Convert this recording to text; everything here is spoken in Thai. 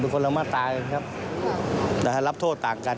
มันคนละมาตายกันครับรับโทษต่างกัน